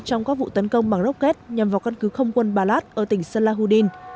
trong các vụ tấn công bằng rocket nhằm vào căn cứ không quân balad ở tỉnh salahuddin